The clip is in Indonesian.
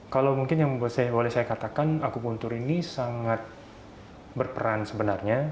kalau mungkin yang boleh saya katakan aku puntur ini sangat berperan sebenarnya